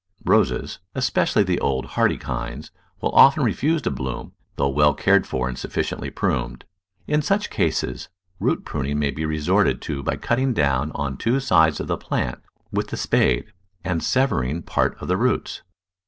Roses, especially the old hardy kinds, will often refuse to bloom, though well cared for and sufficiently pruned. In such cases root pruning may be resorted to by cutting down on two sides of the plant with the spade and severing a part of the roots.